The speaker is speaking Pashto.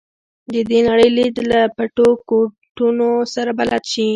د دې نړۍ لید له پټو ګوټونو سره بلد شي.